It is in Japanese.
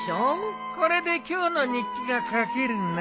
これで今日の日記が書けるな。